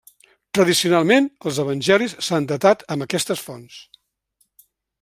Tradicionalment els evangelis s'han datat amb aquestes fonts.